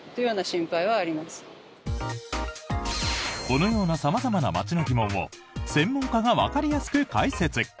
このような様々な街の疑問を専門家がわかりやすく解説。